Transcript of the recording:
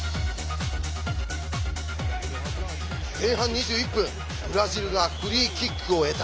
前半２１分ブラジルがフリーキックを得た。